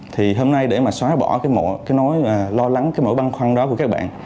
thì hôm nay để mà xóa bỏ cái mỗi lo lắng cái mỗi băng khoăn đó của các bạn